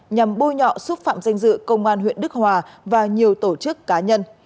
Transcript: nhằm bôi nhọ xúc phạm danh dự công an huyện đức hòa và nhiều tổ chức cá nhân